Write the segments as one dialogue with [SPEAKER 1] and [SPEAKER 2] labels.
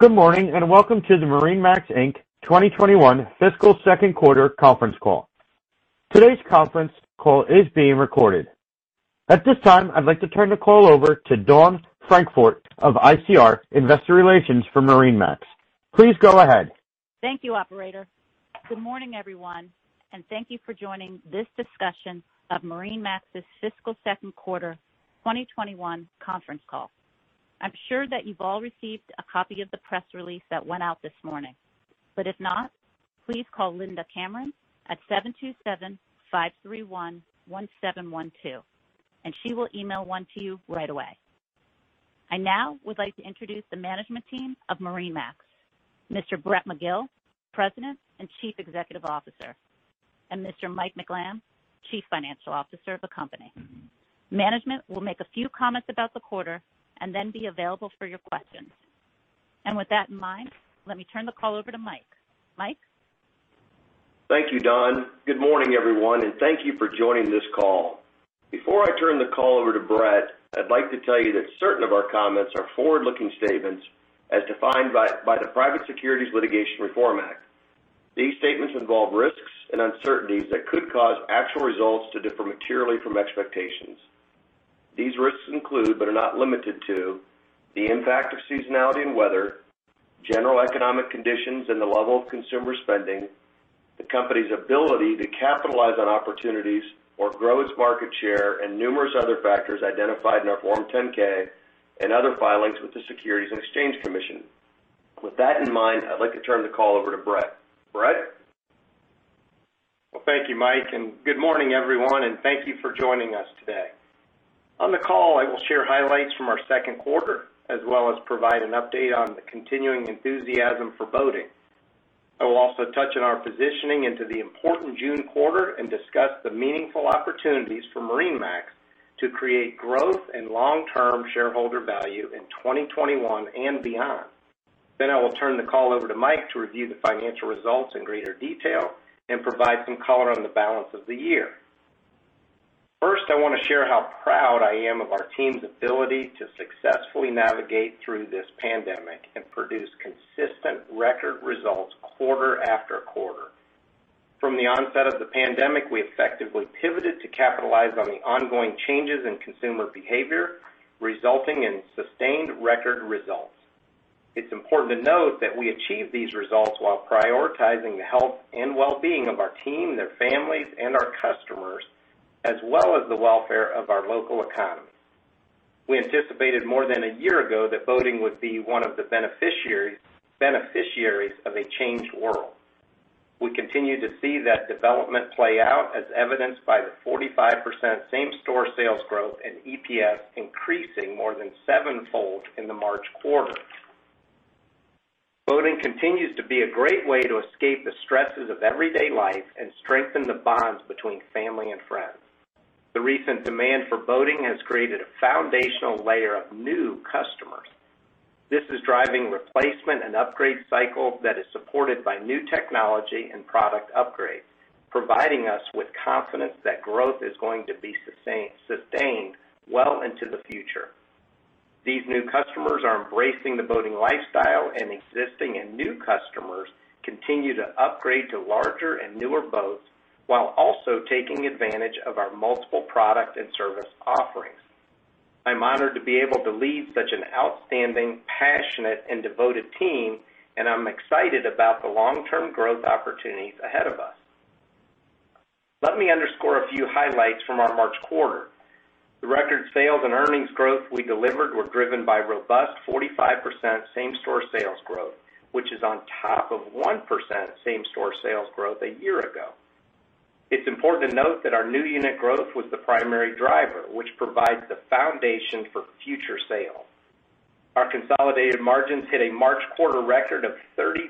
[SPEAKER 1] Good morning, and welcome to the MarineMax, Inc 2021 fiscal second quarter conference call. Today's conference call is being recorded. At this time, I'd like to turn the call over to Dawn Francfort of ICR Investor Relations for MarineMax. Please go ahead.
[SPEAKER 2] Thank you, operator. Good morning, everyone, and thank you for joining this discussion of MarineMax's fiscal second quarter 2021 conference call. I'm sure that you've all received a copy of the press release that went out this morning, but if not, please call Linda Cameron at 727-531-1712, and she will email one to you right away. I now would like to introduce the management team of MarineMax, Mr. Brett McGill, President and Chief Executive Officer, and Mr. Mike McLamb, Chief Financial Officer of the company. Management will make a few comments about the quarter and then be available for your questions. With that in mind, let me turn the call over to Mike. Mike?
[SPEAKER 3] Thank you, Dawn. Good morning, everyone, and thank you for joining this call. Before I turn the call over to Brett, I'd like to tell you that certain of our comments are forward-looking statements as defined by the Private Securities Litigation Reform Act. These statements involve risks and uncertainties that could cause actual results to differ materially from expectations. These risks include, but are not limited to, the impact of seasonality and weather, general economic conditions, and the level of consumer spending, the company's ability to capitalize on opportunities or grow its market share, and numerous other factors identified in our Form 10-K and other filings with the Securities and Exchange Commission. With that in mind, I'd like to turn the call over to Brett. Brett?
[SPEAKER 4] Well, thank you, Mike, and good morning, everyone, and thank you for joining us today. On the call, I will share highlights from our second quarter, as well as provide an update on the continuing enthusiasm for boating. I will also touch on our positioning into the important June quarter and discuss the meaningful opportunities for MarineMax to create growth and long-term shareholder value in 2021 and beyond. I will turn the call over to Mike to review the financial results in greater detail and provide some color on the balance of the year. First, I want to share how proud I am of our team's ability to successfully navigate through this pandemic and produce consistent record results quarter after quarter. From the onset of the pandemic, we effectively pivoted to capitalize on the ongoing changes in consumer behavior, resulting in sustained record results. It's important to note that we achieved these results while prioritizing the health and well-being of our team, their families, and our customers, as well as the welfare of our local economies. We anticipated more than a year ago that boating would be one of the beneficiaries of a changed world. We continue to see that development play out as evidenced by the 45% same-store sales growth and EPS increasing more than sevenfold in the March quarter. Boating continues to be a great way to escape the stresses of everyday life and strengthen the bonds between family and friends. The recent demand for boating has created a foundational layer of new customers. This is driving replacement and upgrade cycle that is supported by new technology and product upgrades, providing us with confidence that growth is going to be sustained well into the future. These new customers are embracing the boating lifestyle and existing and new customers continue to upgrade to larger and newer boats while also taking advantage of our multiple product and service offerings. I'm honored to be able to lead such an outstanding, passionate, and devoted team, and I'm excited about the long-term growth opportunities ahead of us. Let me underscore a few highlights from our March quarter. The record sales and earnings growth we delivered were driven by robust 45% same-store sales growth, which is on top of 1% same-store sales growth a year ago. It's important to note that our new unit growth was the primary driver, which provides the foundation for future sales. Our consolidated margins hit a March quarter record of 30%,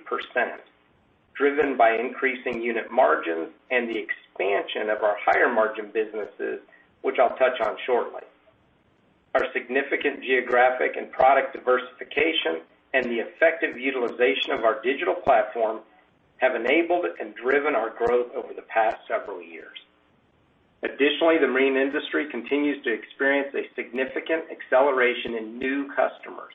[SPEAKER 4] driven by increasing unit margins and the expansion of our higher-margin businesses, which I'll touch on shortly. Our significant geographic and product diversification and the effective utilization of our digital platform have enabled and driven our growth over the past several years. Additionally, the marine industry continues to experience a significant acceleration in new customers.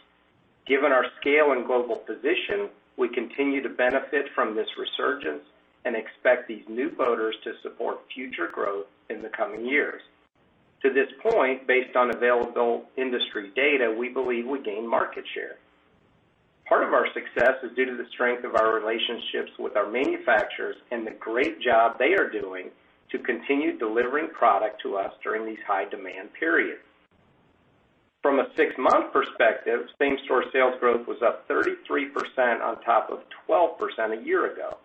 [SPEAKER 4] Given our scale and global position, we continue to benefit from this resurgence and expect these new boaters to support future growth in the coming years. To this point, based on available industry data, we believe we gained market share. Part of our success is due to the strength of our relationships with our manufacturers and the great job they are doing to continue delivering product to us during these high-demand periods. From a six-month perspective, same-store sales growth was up 33% on top of 12% a year ago.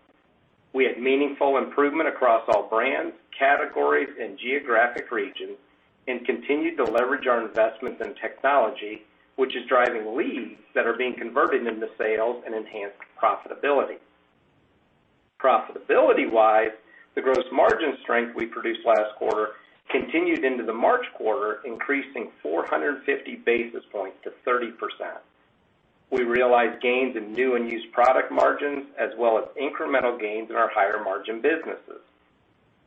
[SPEAKER 4] We had meaningful improvement across all brands, categories, and geographic regions and continued to leverage our investments in technology, which is driving leads that are being converted into sales and enhanced profitability. Profitability-wise, the gross margin strength we produced last quarter continued into the March quarter, increasing 450 basis points to 30%. We realized gains in new and used product margins, as well as incremental gains in our higher-margin businesses.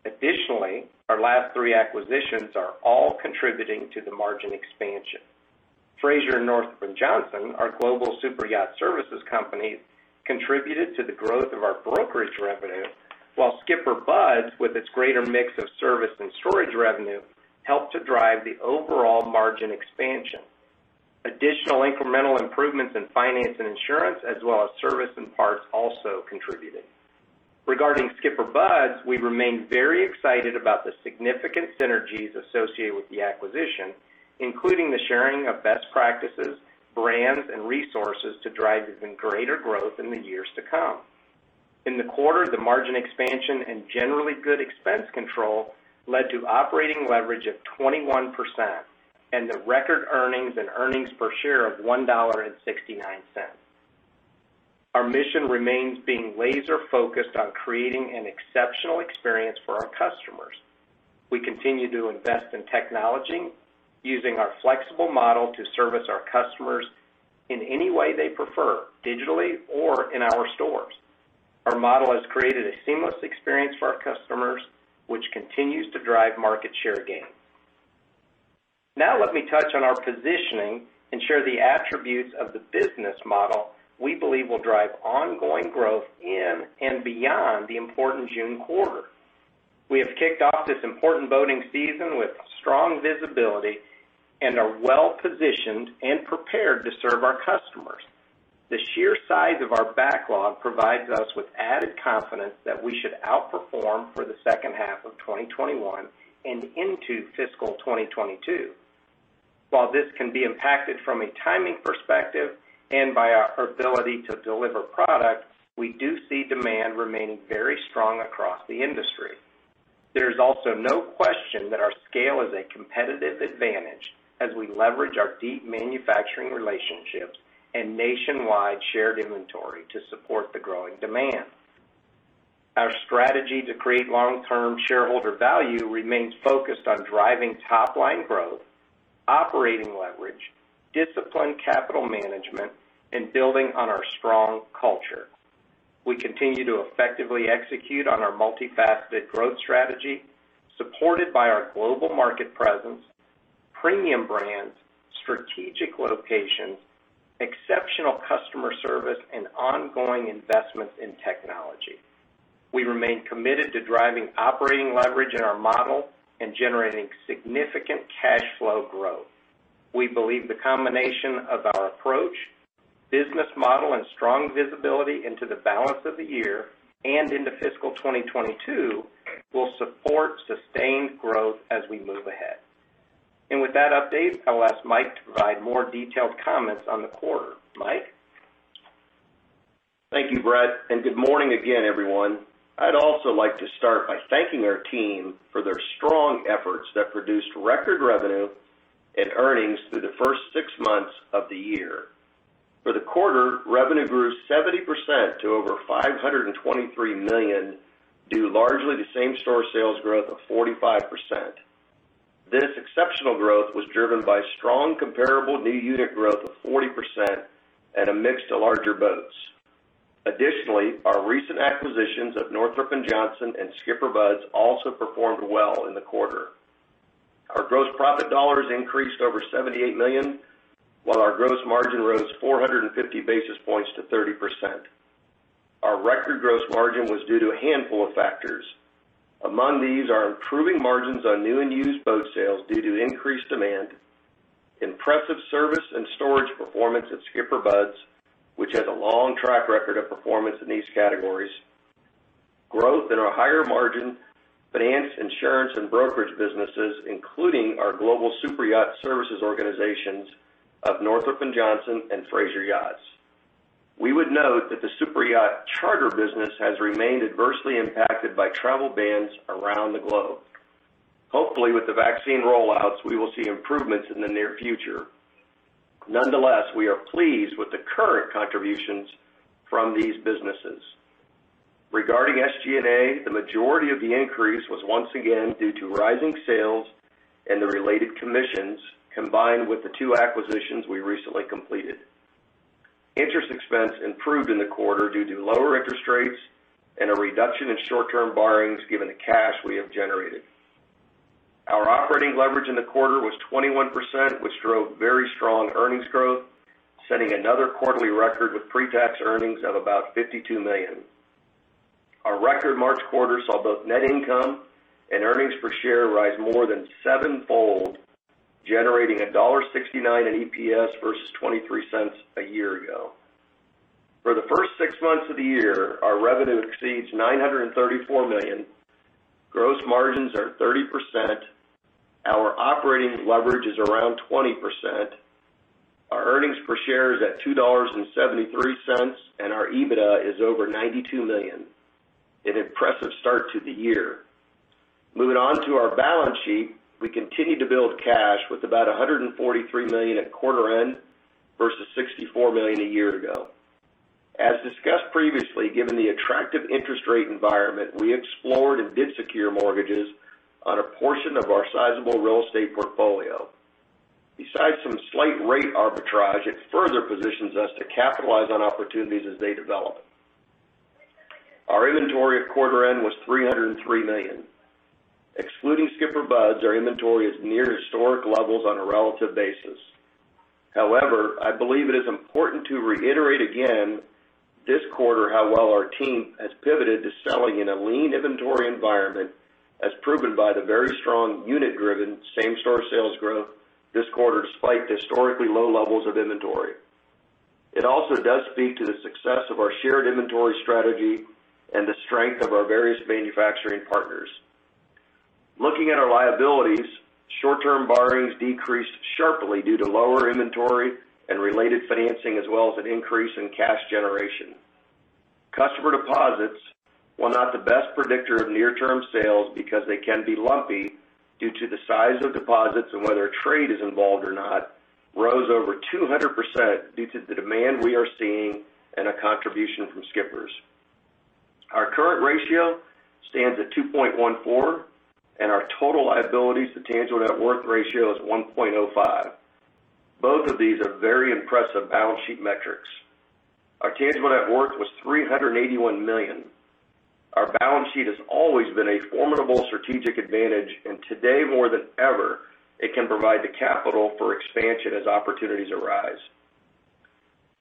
[SPEAKER 4] Additionally, our last three acquisitions are all contributing to the margin expansion. Fraser and Northrop & Johnson, our global superyacht services company, contributed to the growth of our brokerage revenue, while SkipperBud's, with its greater mix of service and storage revenue, helped to drive the overall margin expansion. Additional incremental improvements in finance and insurance, as well as service and parts also contributed. Regarding SkipperBud's, we remain very excited about the significant synergies associated with the acquisition, including the sharing of best practices, brands, and resources to drive even greater growth in the years to come. In the quarter, the margin expansion and generally good expense control led to operating leverage of 21% and the record earnings and earnings per share of $1.69. Our mission remains being laser-focused on creating an exceptional experience for our customers. We continue to invest in technology, using our flexible model to service our customers in any way they prefer, digitally or in our stores. Our model has created a seamless experience for our customers, which continues to drive market share gains. Let me touch on our positioning and share the attributes of the business model we believe will drive ongoing growth in and beyond the important June quarter. We have kicked off this important boating season with strong visibility and are well-positioned and prepared to serve our customers. The sheer size of our backlog provides us with added confidence that we should outperform for the second half of 2021 and into fiscal 2022. While this can be impacted from a timing perspective and by our ability to deliver product, we do see demand remaining very strong across the industry. There is also no question that our scale is a competitive advantage as we leverage our deep manufacturing relationships and nationwide shared inventory to support the growing demand. Our strategy to create long-term shareholder value remains focused on driving top-line growth, operating leverage, disciplined capital management, and building on our strong culture. We continue to effectively execute on our multifaceted growth strategy, supported by our global market presence, premium brands, strategic locations, exceptional customer service, and ongoing investments in technology. We remain committed to driving operating leverage in our model and generating significant cash flow growth. We believe the combination of our approach, business model, and strong visibility into the balance of the year and into fiscal 2022 will support sustained growth as we move ahead. With that update, I'll ask Mike to provide more detailed comments on the quarter. Mike?
[SPEAKER 3] Thank you, Brett, good morning again, everyone. I'd also like to start by thanking our team for their strong efforts that produced record revenue and earnings through the first six months of the year. For the quarter, revenue grew 70% to over $523 million, due largely to same-store sales growth of 45%. This exceptional growth was driven by strong comparable new unit growth of 40% and a mix to larger boats. Additionally, our recent acquisitions of Northrop & Johnson and SkipperBud's also performed well in the quarter. Our gross profit dollars increased over $78 million, while our gross margin rose 450 basis points to 30%. Our record gross margin was due to a handful of factors. Among these are improving margins on new and used boat sales due to increased demand, impressive service and storage performance at SkipperBud's, which has a long track record of performance in these categories, growth in our higher-margin finance, insurance, and brokerage businesses, including our global superyacht services organizations of Northrop & Johnson and Fraser Yachts. We would note that the superyacht charter business has remained adversely impacted by travel bans around the globe. Hopefully, with the vaccine rollouts, we will see improvements in the near future. Nonetheless, we are pleased with the current contributions from these businesses. Regarding SG&A, the majority of the increase was once again due to rising sales and the related commissions, combined with the two acquisitions we recently completed. Interest expense improved in the quarter due to lower interest rates and a reduction in short-term borrowings, given the cash we have generated. Our operating leverage in the quarter was 21%, which drove very strong earnings growth, setting another quarterly record with pre-tax earnings of about $52 million. Our record March quarter saw both net income and earnings per share rise more than sevenfold, generating $1.69 in EPS versus $0.23 a year ago. For the first six months of the year, our revenue exceeds $934 million. Gross margins are 30%. Our operating leverage is around 20%. Our earnings per share is at $2.73, and our EBITDA is over $92 million, an impressive start to the year. Moving on to our balance sheet. We continue to build cash with about $143 million at quarter end versus $64 million a year ago. As discussed previously, given the attractive interest rate environment, we explored and did secure mortgages on a portion of our sizable real estate portfolio. Besides some slight rate arbitrage, it further positions us to capitalize on opportunities as they develop. Our inventory at quarter end was $303 million. Excluding SkipperBud's, our inventory is near historic levels on a relative basis. However, I believe it is important to reiterate again this quarter how well our team has pivoted to selling in a lean inventory environment, as proven by the very strong unit-driven same-store sales growth this quarter, despite historically low levels of inventory. It also does speak to the success of our shared inventory strategy and the strength of our various manufacturing partners. Looking at our liabilities, short-term borrowings decreased sharply due to lower inventory and related financing, as well as an increase in cash generation. Customer deposits, while not the best predictor of near-term sales because they can be lumpy due to the size of deposits and whether trade is involved or not, rose over 200% due to the demand we are seeing and a contribution from SkipperBud's. Our current ratio stands at 2.14, and our total liabilities to tangible net worth ratio is 1.05. Both of these are very impressive balance sheet metrics. Our tangible net worth was $381 million. Our balance sheet has always been a formidable strategic advantage, and today more than ever, it can provide the capital for expansion as opportunities arise.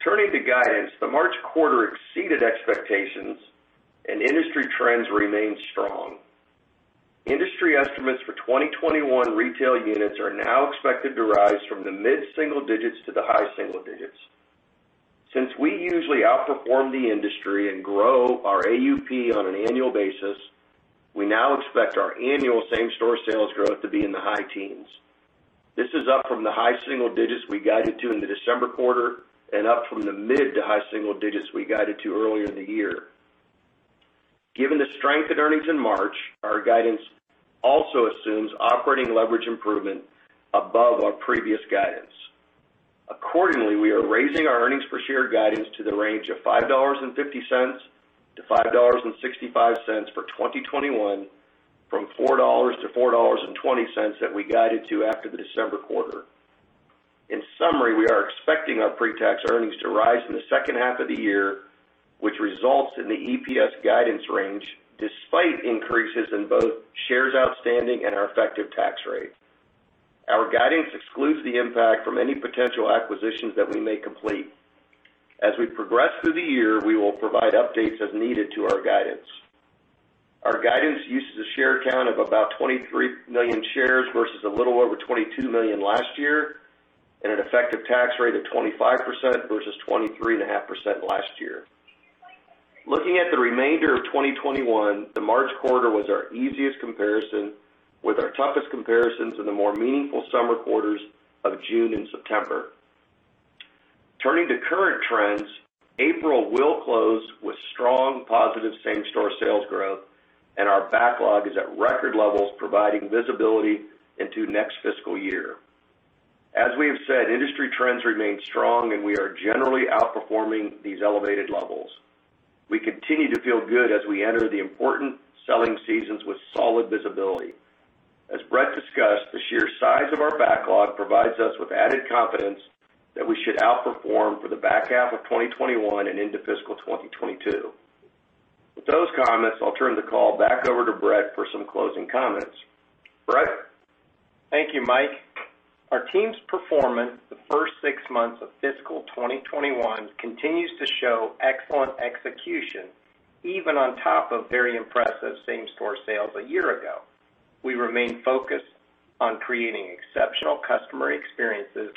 [SPEAKER 3] Turning to guidance, the March quarter exceeded expectations and industry trends remain strong. Industry estimates for 2021 retail units are now expected to rise from the mid-single digits to the high single digits. Since we usually outperform the industry and grow our AUP on an annual basis, we now expect our annual same-store sales growth to be in the high teens. This is up from the high single digits we guided to in the December Quarter and up from the mid to high single digits we guided to earlier in the year. Given the strength in earnings in March, our guidance also assumes operating leverage improvement above our previous guidance. Accordingly, we are raising our earnings per share guidance to the range of $5.50-$5.65 for 2021 from $4-$4.20 that we guided to after the December quarter. In summary, we are expecting our pre-tax earnings to rise in the second half of the year, which results in the EPS guidance range, despite increases in both shares outstanding and our effective tax rate. Our guidance excludes the impact from any potential acquisitions that we may complete. As we progress through the year, we will provide updates as needed to our guidance. Our guidance uses a share count of about 23 million shares versus a little over 22 million last year, and an effective tax rate of 25% versus 23.5% last year. Looking at the remainder of 2021, the March quarter was our easiest comparison, with our toughest comparisons in the more meaningful summer quarters of June and September. Turning to current trends, April will close with strong, positive same-store sales growth, and our backlog is at record levels, providing visibility into next fiscal year. As we have said, industry trends remain strong, and we are generally outperforming these elevated levels. We continue to feel good as we enter the important selling seasons with solid visibility. As Brett discussed, the sheer size of our backlog provides us with added confidence that we should outperform for the back half of 2021 and into fiscal 2022. With those comments, I'll turn the call back over to Brett for some closing comments. Brett?
[SPEAKER 4] Thank you, Mike. Our team's performance the first six months of fiscal 2021 continues to show excellent execution, even on top of very impressive same-store sales a year ago. We remain focused on creating exceptional customer experiences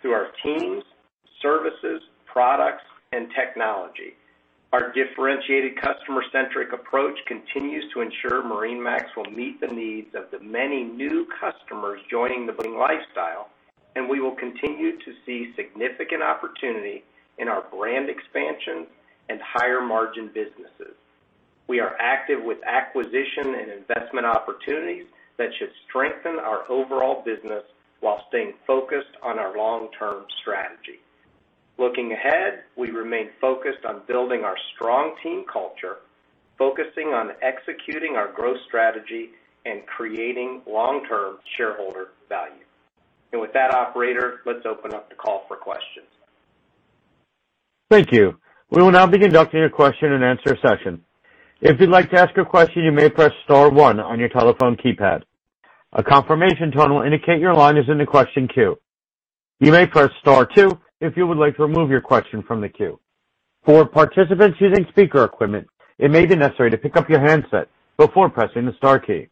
[SPEAKER 4] through our teams, services, products, and technology. Our differentiated customer-centric approach continues to ensure MarineMax will meet the needs of the many new customers joining the boating lifestyle, and we will continue to see significant opportunity in our brand expansion and higher margin businesses. We are active with acquisition and investment opportunities that should strengthen our overall business while staying focused on our long-term strategy. Looking ahead, we remain focused on building our strong team culture, focusing on executing our growth strategy and creating long-term shareholder value. With that, operator, let's open up the call for questions.
[SPEAKER 1] Thank you. We will now be conducting a question and answer session. If you'd like to ask a question, you may press star one on your telephone keypad. A confirmation tone will indicate your line is in the question queue. You may press star two if you would like to remove your question from the queue. For participants using speaker equipment, it may ne necessary to pick up your handset before pressing the star key.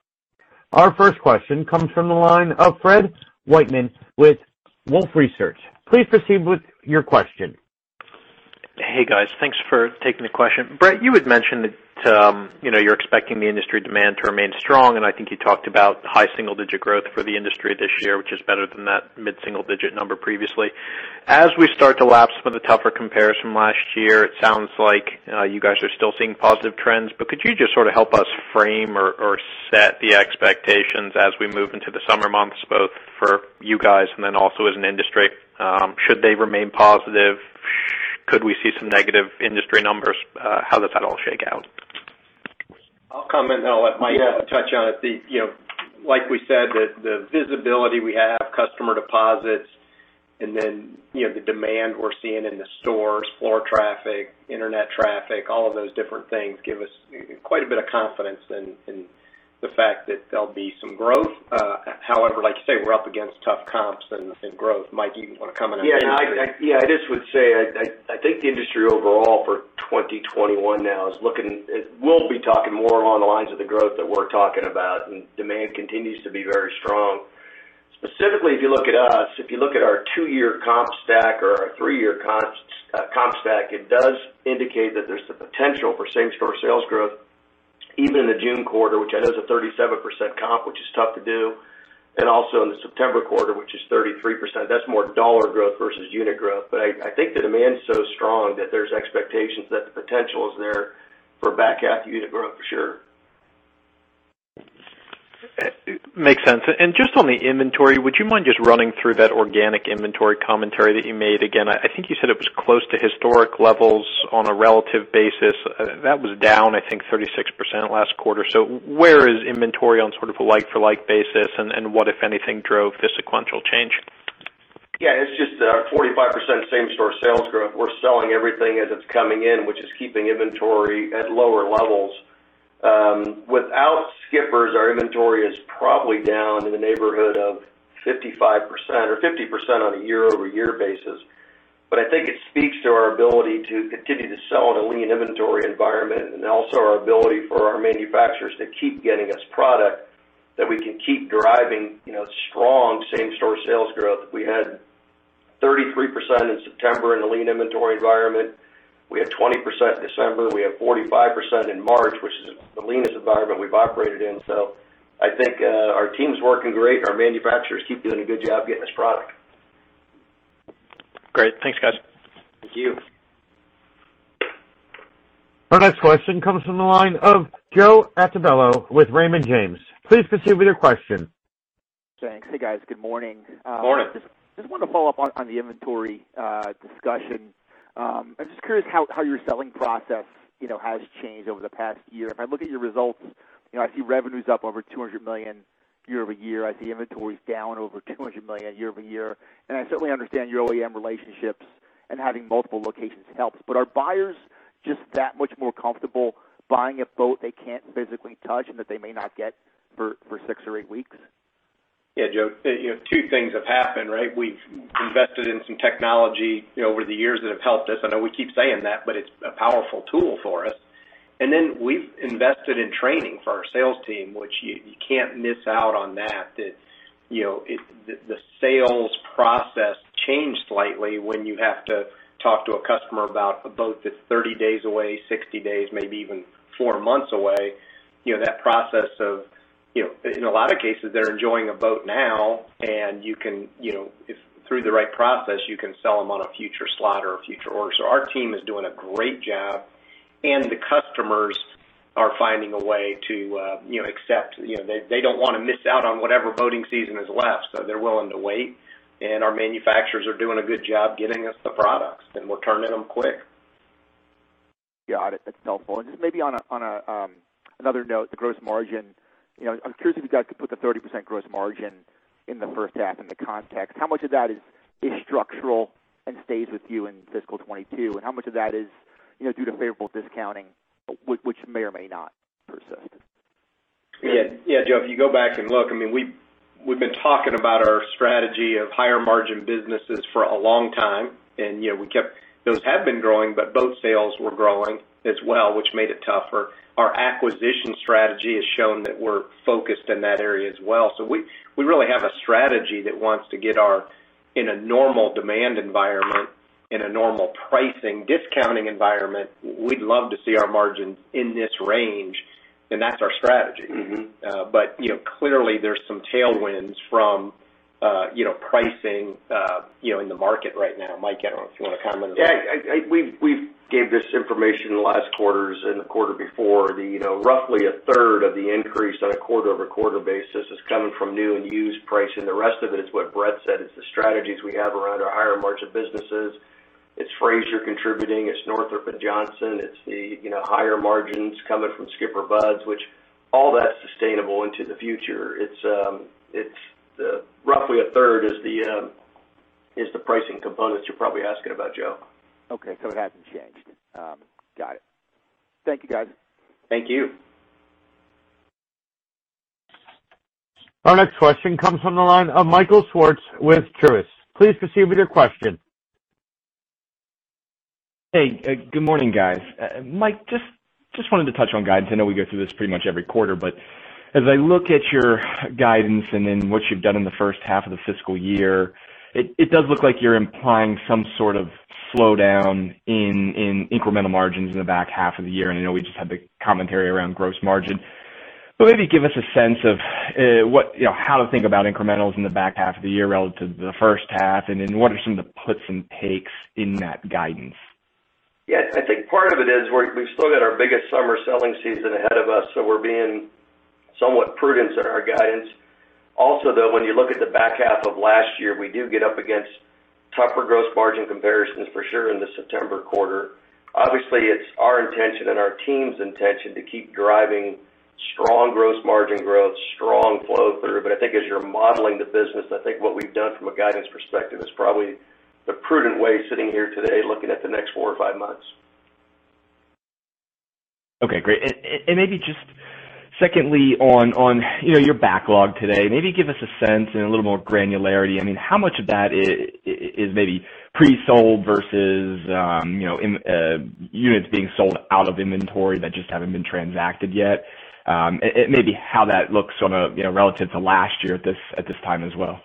[SPEAKER 1] Our first question comes from the line of Fred Wightman with Wolfe Research. Please proceed with your question.
[SPEAKER 5] Hey, guys. Thanks for taking the question. Brett, you had mentioned that you're expecting the industry demand to remain strong, and I think you talked about high single digit growth for the industry this year, which is better than that mid-single digit number previously. As we start to lapse from the tougher comparison last year, it sounds like you guys are still seeing positive trends, but could you just sort of help us frame or set the expectations as we move into the summer months, both for you guys and then also as an industry? Should they remain positive? Could we see some negative industry numbers? How does that all shake out?
[SPEAKER 4] I'll comment, and I'll let Mike touch on it. Like we said, the visibility we have, customer deposits, and then the demand we're seeing in the stores, floor traffic, internet traffic, all of those different things give us quite a bit of confidence in the fact that there'll be some growth. However, like you say, we're up against tough comps and growth. Mike, do you want to comment on that?
[SPEAKER 3] Yeah. I just would say, I think the industry overall for 2021 now is looking. We'll be talking more along the lines of the growth that we're talking about. Demand continues to be very strong. Specifically, if you look at us, if you look at our two-year comp stack or our three-year comp stack, it does indicate that there's the potential for same-store sales growth even in the June quarter, which I know is a 37% comp, which is tough to do, and also in the September quarter, which is 33%. That's more dollar growth versus unit growth. I think the demand's so strong that there's expectations that the potential is there for back half unit growth for sure.
[SPEAKER 5] Makes sense. Just on the inventory, would you mind just running through that organic inventory commentary that you made again? I think you said it was close to historic levels on a relative basis. That was down, I think, 36% last quarter. Where is inventory on sort of a like-for-like basis, and what, if anything, drove the sequential change?
[SPEAKER 3] Yeah, it's just our 45% same-store sales growth. We're selling everything as it's coming in, which is keeping inventory at lower levels. Without SkipperBud's, our inventory is probably down in the neighborhood of 55% or 50% on a year-over-year basis. I think it speaks to our ability to continue to sell in a lean inventory environment and also our ability for our manufacturers to keep getting us product that we can keep driving strong same-store sales growth. We had 33% in September in a lean inventory environment. We have 20% in December. We have 45% in March, which is the leanest environment we've operated in. I think our team's working great. Our manufacturers keep doing a good job getting us product.
[SPEAKER 5] Great. Thanks, guys.
[SPEAKER 3] Thank you.
[SPEAKER 1] Our next question comes from the line of Joe Altobello with Raymond James. Please proceed with your question.
[SPEAKER 6] Thanks. Hey, guys. Good morning.
[SPEAKER 3] Morning.
[SPEAKER 6] Just wanted to follow up on the inventory discussion. I'm just curious how your selling process has changed over the past year. If I look at your results, I see revenue's up over $200 million year-over-year. I see inventory's down over $200 million year-over-year, I certainly understand your OEM relationships and having multiple locations helps, but are buyers just that much more comfortable buying a boat they can't physically touch and that they may not get for six or eight weeks?
[SPEAKER 4] Yeah, Joe, two things have happened, right? We've invested in some technology over the years that have helped us. I know we keep saying that, it's a powerful tool for us. We've invested in training for our sales team, which you can't miss out on that. The sales process changed slightly when you have to talk to a customer about a boat that's 30 days away, 60 days, maybe even four months away. That process of, in a lot of cases, they're enjoying a boat now, through the right process, you can sell them on a future slot or a future order. Our team is doing a great job, the customers are finding a way to accept. They don't want to miss out on whatever boating season is left, so they're willing to wait, and our manufacturers are doing a good job getting us the products, and we're turning them quick.
[SPEAKER 6] Got it. That's helpful. Just maybe on another note, the gross margin. I'm curious if you guys could put the 30% gross margin in the first half into context. How much of that is structural and stays with you in fiscal 2022, and how much of that is due to favorable discounting, which may or may not persist?
[SPEAKER 4] Joe. If you go back and look, we've been talking about our strategy of higher margin businesses for a long time, and those have been growing, but boat sales were growing as well, which made it tougher. Our acquisition strategy has shown that we're focused in that area as well. We really have a strategy that wants to get our, in a normal demand environment, in a normal pricing, discounting environment, we'd love to see our margins in this range, and that's our strategy. Clearly, there's some tailwinds from pricing in the market right now. Mike, I don't know if you want to comment on that.
[SPEAKER 3] Yeah. We gave this information in the last quarters and the quarter before. Roughly 1/3 of the increase on a quarter-over-quarter basis is coming from new and used pricing. The rest of it is what Brett said. It's the strategies we have around our higher margin businesses. It's Fraser contributing, it's Northrop & Johnson, it's the higher margins coming from SkipperBud's, which all that's sustainable into the future. Roughly a third is the pricing component you're probably asking about, Joe.
[SPEAKER 6] Okay. It hasn't changed. Got it. Thank you, guys.
[SPEAKER 3] Thank you.
[SPEAKER 1] Our next question comes from the line of Michael Swartz with Truist. Please proceed with your question.
[SPEAKER 7] Hey, good morning, guys. Mike, just wanted to touch on guidance. I know we go through this pretty much every quarter, but as I look at your guidance and then what you've done in the first half of the fiscal year, it does look like you're implying some sort of slowdown in incremental margins in the back half of the year, and I know we just had the commentary around gross margin. Maybe give us a sense of how to think about incrementals in the back half of the year relative to the first half. What are some of the puts and takes in that guidance?
[SPEAKER 3] Yeah, I think part of it is we've still got our biggest summer selling season ahead of us. We're being somewhat prudent in our guidance. Also, though, when you look at the back half of last year, we do get up against tougher gross margin comparisons for sure in the September quarter. Obviously, it's our intention and our team's intention to keep driving strong gross margin growth, strong flow through. I think as you're modeling the business, I think what we've done from a guidance perspective is probably the prudent way, sitting here today, looking at the next four or five months.
[SPEAKER 7] Okay, great. Maybe just secondly on your backlog today. Maybe give us a sense and a little more granularity. How much of that is maybe pre-sold versus units being sold out of inventory that just haven't been transacted yet? Maybe how that looks relative to last year at this time as well.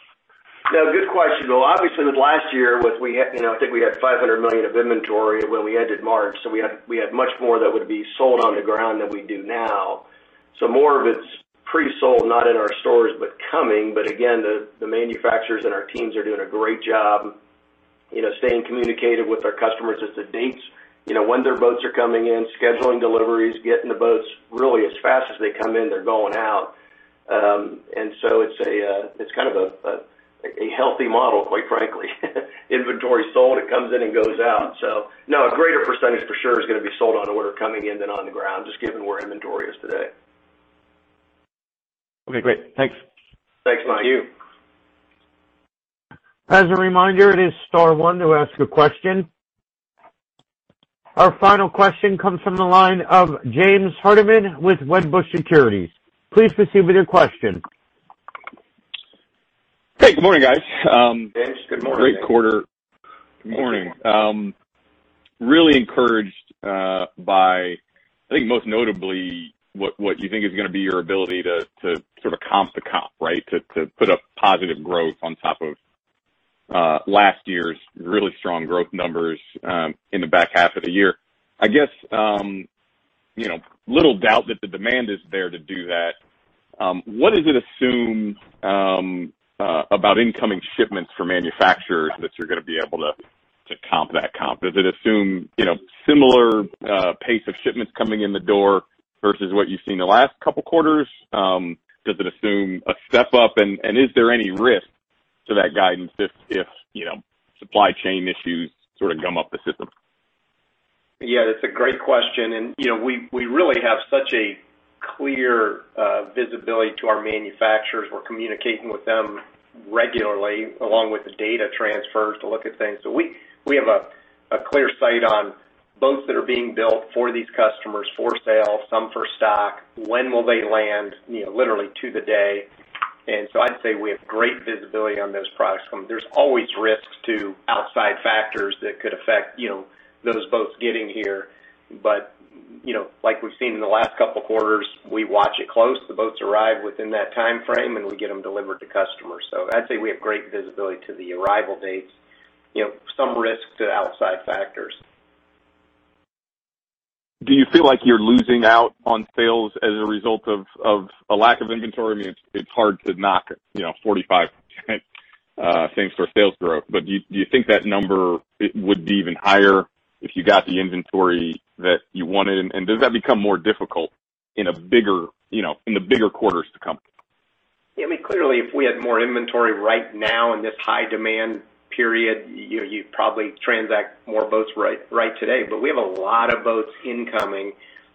[SPEAKER 3] No, good question. Well, obviously, with last year, I think we had $500 million of inventory when we ended March. We had much more that would be sold on the ground than we do now. More of it's pre-sold, not in our stores, but coming. Again, the manufacturers and our teams are doing a great job staying communicative with our customers as to dates, when their boats are coming in, scheduling deliveries, getting the boats really as fast as they come in, they're going out. It's kind of a healthy model, quite frankly. Inventory is sold, it comes in and goes out. No, a greater percentage for sure is going to be sold on order coming in than on the ground, just given where inventory is today.
[SPEAKER 7] Okay, great. Thanks.
[SPEAKER 4] Thanks, Michael.
[SPEAKER 1] As a reminder, it is star one to ask a question. Our final question comes from the line of James Hardiman with Wedbush Securities. Please proceed with your question.
[SPEAKER 8] Hey, good morning, guys.
[SPEAKER 4] James, good morning.
[SPEAKER 8] Great quarter. Good morning. Really encouraged by, I think, most notably, what you think is going to be your ability to sort of comp the comp, right? To put up positive growth on top of last year's really strong growth numbers in the back half of the year. I guess little doubt that the demand is there to do that. What does it assume about incoming shipments for manufacturers that you're going to be able to comp that comp? Does it assume similar pace of shipments coming in the door versus what you've seen the last couple of quarters? Does it assume a step up, and is there any risk to that guidance if supply chain issues sort of gum up the system?
[SPEAKER 3] Yeah, that's a great question. We really have such a clear visibility to our manufacturers. We're communicating with them regularly, along with the data transfers to look at things. We have a clear sight on boats that are being built for these customers, for sale, some for stock. When will they land, literally to the day? I'd say we have great visibility on those products coming. There's always risks to outside factors that could affect those boats getting here. Like we've seen in the last couple of quarters, we watch it close. The boats arrive within that timeframe, and we get them delivered to customers. I'd say we have great visibility to the arrival dates, some risk to outside factors.
[SPEAKER 8] Do you feel like you're losing out on sales as a result of a lack of inventory? I mean, it's hard to knock 45% same-store sales growth, but do you think that number would be even higher if you got the inventory that you wanted? Does that become more difficult in the bigger quarters to come?
[SPEAKER 4] Clearly, if we had more inventory right now in this high-demand period, you'd probably transact more boats right today. We have a lot of boats incoming,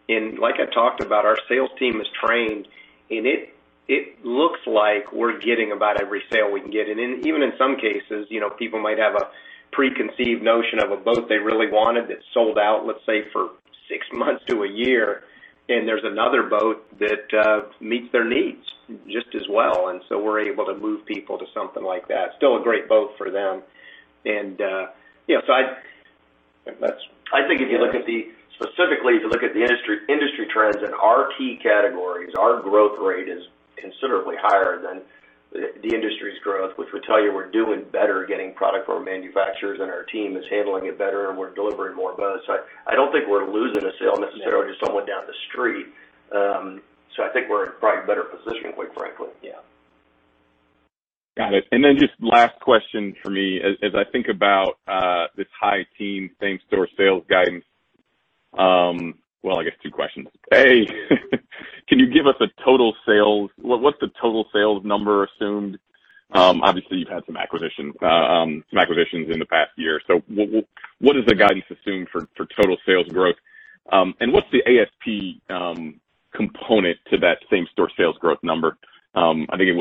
[SPEAKER 4] and like I talked about, our sales team is trained, and it looks like we're getting about every sale we can get. Even in some cases, people might have a preconceived notion of a boat they really wanted that sold out, let's say, for six months to a year. There's another boat that meets their needs just as well. We're able to move people to something like that. Still a great boat for them. I think specifically, if you look at the industry trends in our key categories, our growth rate is considerably higher than the industry's growth, which would tell you we're doing better getting product from our manufacturers, and our team is handling it better, and we're delivering more boats. I don't think we're losing a sale necessarily to someone down the street. I think we're in probably a better position, quite frankly. Yeah.
[SPEAKER 8] Got it. Then just last question for me. As I think about this high-teen same-store sales guidance, I guess two questions. A, can you give us a total sales? What's the total sales number assumed? Obviously, you've had some acquisitions in the past year. What does the guidance assume for total sales growth? What's the ASP component to that same-store sales growth number? I think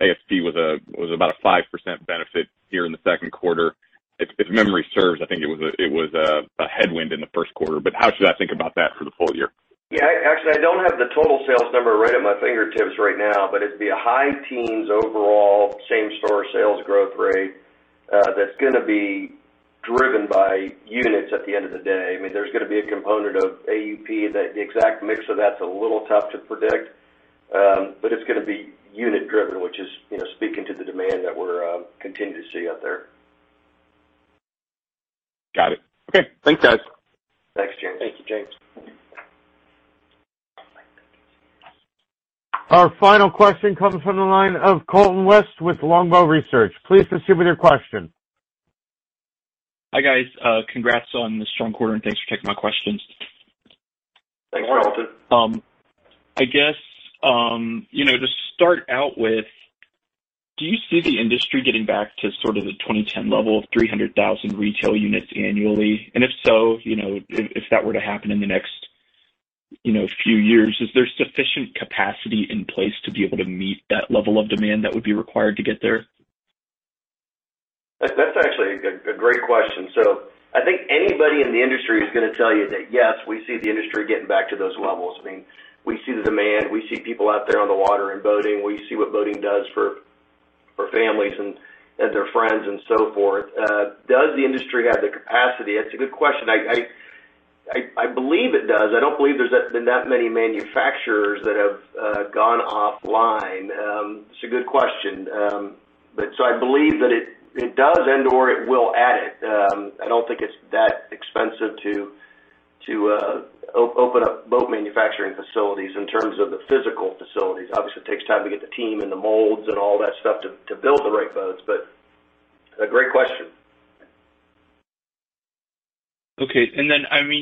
[SPEAKER 8] ASP was about a 5% benefit here in the second quarter. If memory serves, I think it was a headwind in the first quarter. How should I think about that for the full year?
[SPEAKER 3] Yeah. Actually, I don't have the total sales number right at my fingertips right now, but it'd be a high teens overall same-store sales growth rate that's going to be driven by units at the end of the day. There's going to be a component of AUP. The exact mix of that's a little tough to predict. It's going to be unit-driven, which is speaking to the demand that we're continuing to see out there.
[SPEAKER 8] Got it. Okay. Thanks, guys.
[SPEAKER 3] Thanks, James.
[SPEAKER 4] Thank you, James.
[SPEAKER 1] Our final question comes from the line of Colton West with Longbow Research. Please proceed with your question.
[SPEAKER 9] Hi guys. Congrats on the strong quarter and thanks for taking my questions.
[SPEAKER 4] Thanks, Colton.
[SPEAKER 9] To start out with, do you see the industry getting back to sort of the 2010 level of 300,000 retail units annually? If so, if that were to happen in the next few years, is there sufficient capacity in place to be able to meet that level of demand that would be required to get there?
[SPEAKER 4] That's actually a great question. I think anybody in the industry is going to tell you that, yes, we see the industry getting back to those levels. We see the demand. We see people out there on the water and boating. We see what boating does for families and their friends and so forth. Does the industry have the capacity? That's a good question. I believe it does. I don't believe there's been that many manufacturers that have gone offline. It's a good question. I believe that it does and or it will add it. I don't think it's that expensive to open up boat manufacturing facilities in terms of the physical facilities. Obviously, it takes time to get the team and the molds and all that stuff to build the right boats. A great question.
[SPEAKER 9] Okay.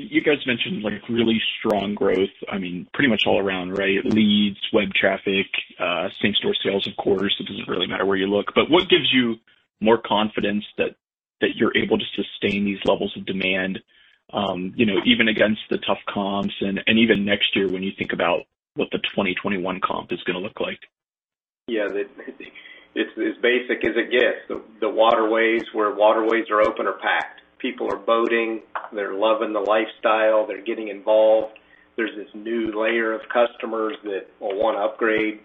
[SPEAKER 9] You guys mentioned really strong growth pretty much all around, right? Leads, web traffic, same store sales, of course. It doesn't really matter where you look. What gives you more confidence that you're able to sustain these levels of demand even against the tough comps and even next year when you think about what the 2021 comp is going to look like?
[SPEAKER 4] Yeah. It's as basic as it gets. Where waterways are open are packed. People are boating. They're loving the lifestyle. They're getting involved. There's this new layer of customers that will want to upgrade.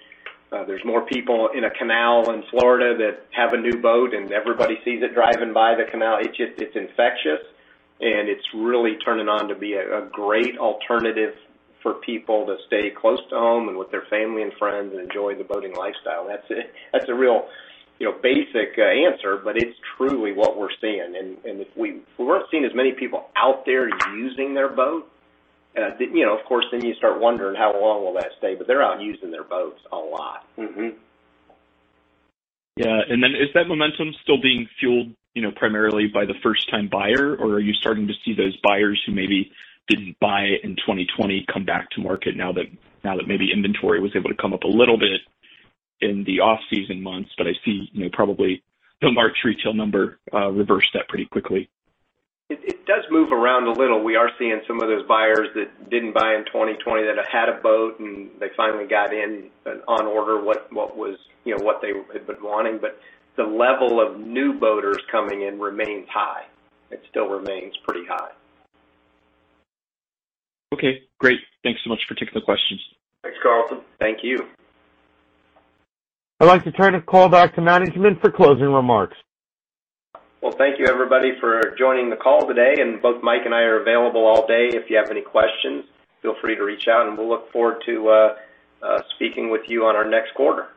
[SPEAKER 4] There's more people in a canal in Florida that have a new boat and everybody sees it driving by the canal. It's infectious and it's really turning on to be a great alternative for people to stay close to home and with their family and friends and enjoy the boating lifestyle. That's a real basic answer, but it's truly what we're seeing. If we weren't seeing as many people out there using their boat, of course then you start wondering, how long will that stay? They're out using their boats a lot.
[SPEAKER 9] Yeah. Is that momentum still being fueled primarily by the first-time buyer? Or are you starting to see those buyers who maybe didn't buy in 2020 come back to market now that maybe inventory was able to come up a little bit in the off-season months? I see probably the March retail number reversed that pretty quickly.
[SPEAKER 4] It does move around a little. We are seeing some of those buyers that didn't buy in 2020 that had a boat and they finally got in on order what they had been wanting. The level of new boaters coming in remains high. It still remains pretty high.
[SPEAKER 9] Okay, great. Thanks so much for taking the questions.
[SPEAKER 4] Thanks, Colton.
[SPEAKER 3] Thank you.
[SPEAKER 1] I'd like to turn the call back to management for closing remarks.
[SPEAKER 4] Well, thank you everybody for joining the call today. Both Mike and I are available all day. If you have any questions, feel free to reach out and we'll look forward to speaking with you on our next quarter.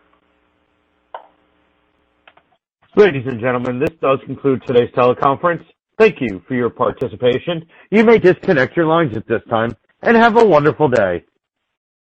[SPEAKER 1] Ladies and gentlemen, this does conclude today's teleconference. Thank you for your participation. You may disconnect your lines at this time and have a wonderful day.